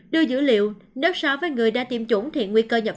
đưa dữ liệu đớp so với người đã tiêm chủng thiện nguy cơ nhập